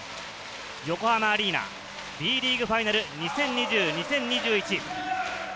横浜アリーナ、Ｂリーグファイナル２０２０−２１。